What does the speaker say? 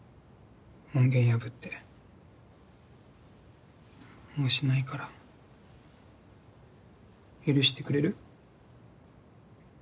門限破ってもうしないから許してくれる？